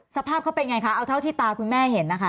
สภาพเขาเป็นไงคะเอาเท่าที่ตาคุณแม่เห็นนะคะ